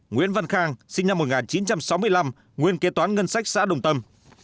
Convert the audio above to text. một mươi nguyễn văn khang sinh năm một nghìn chín trăm sáu mươi năm nguyên trưởng ban tài chính xã đồng tâm